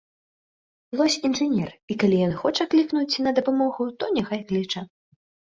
Лось інжынер, і калі ён хоча клікнуць на дапамогу, то няхай кліча.